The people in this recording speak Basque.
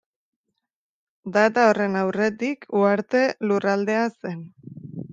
Data horren aurretik, Uharte Lurraldea zen.